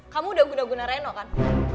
kamu udah guna guna reno kan